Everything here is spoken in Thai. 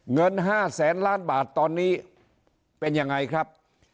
เงิน๕แสนล้านบาทตอนนี้เป็นยังไงครับ